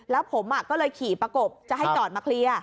แล้วผมก็เลยขี่ประกบจะให้จอดมาเคลียร์